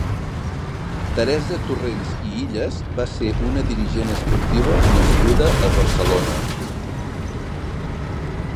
Teresa Torrens i Illas va ser una dirigent esportiva nascuda a Barcelona.